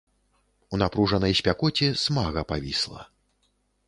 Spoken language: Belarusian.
У напружанай спякоце смага павісла.